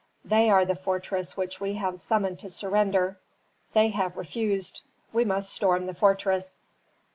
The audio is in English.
They are the fortress which we have summoned to surrender. They have refused; we must storm the fortress."